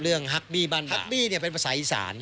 เรื่องฮากบี้บ้านบากฮากบี้เป็นภาษาอิสาน